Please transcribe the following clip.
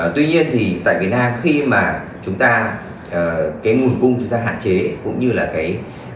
tuy nhiên thì tại việt nam khi mà chúng ta cái nguồn cung chúng ta hạn chế cũng như là cái